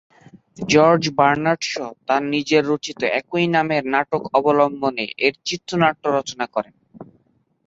George Bernard Shaw' তার নিজের রচিত "একই নামের" নাটক অবলম্বনে এর চিত্রনাট্য রচনা করেন।